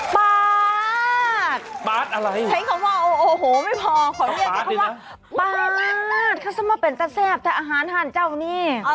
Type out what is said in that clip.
ปาดอะไรใช้คำว่าโอ้โหไม่พอฉันจะเรียกคำว่าปาดแฟนแซ่บแต่อาหารหาญเจ้านี่